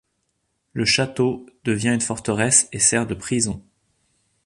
Le château devient une forteresse et sert de prison.